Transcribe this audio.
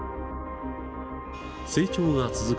成長が続く